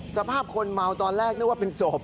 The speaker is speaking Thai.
สภาพคนเมาตอนแรกนึกว่าเป็นศพ